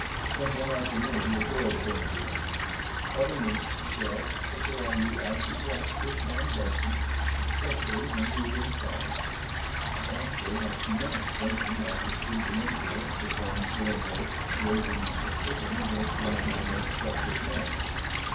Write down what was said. Then one afternoon the girl came to me. "Pardon me," she said, "but were I you, I should watch this man Benson especially when he is in charge." I asked her what she meant, thinking I could see the influence of von Schoenvorts raising a suspicion against one of my most trusted men.